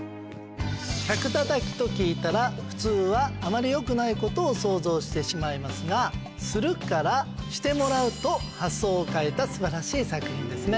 百たたきと聞いたら普通はあまり良くないことを想像してしまいますが「する」から「してもらう」と発想を変えた素晴らしい作品ですね。